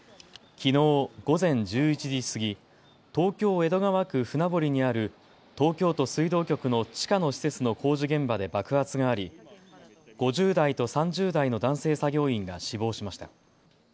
きのう午前１１時過ぎ、東京江戸川区船堀にある東京都水道局の地下の施設の工事現場で爆発があり５０代と３０代の男性作業員が死亡しました。